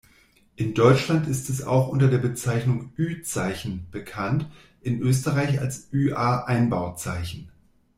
In Deutschland ist es auch unter der Bezeichnung Ü-Zeichen bekannt, in Österreich als ÜA-Einbauzeichen.